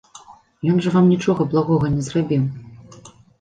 Ён жа вам нічога благога не зрабіў.